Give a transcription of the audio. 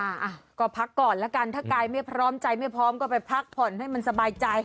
อ่ะก็พักก่อนแล้วกันถ้ากายไม่พร้อมใจไม่พร้อมก็ไปพักผ่อนให้มันสบายใจ